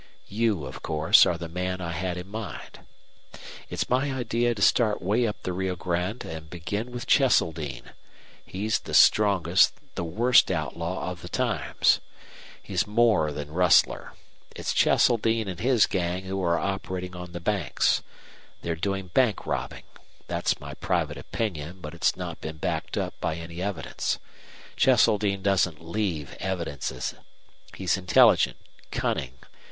You, of course, are the man I had in mind. It's my idea to start way up the Rio Grande and begin with Cheseldine. He's the strongest, the worst outlaw of the times. He's more than rustler. It's Cheseldine and his gang who are operating on the banks. They're doing bank robbing. That's my private opinion, but it's not been backed up by any evidence. Cheseldine doesn't leave evidences. He's intelligent, cunning.